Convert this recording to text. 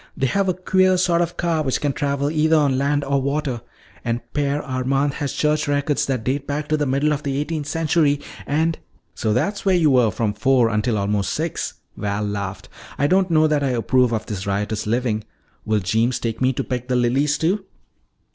They have a queer sort of car which can travel either on land or water. And Père Armand has church records that date back to the middle of the eighteenth century. And " "So that's where you were from four until almost six," Val laughed. "I don't know that I approve of this riotous living. Will Jeems take me to pick the lilies too?"